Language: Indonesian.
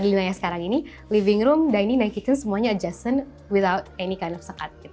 pilihannya sekarang ini living room dining room dan kitchen semuanya adjusted without any kind of sekat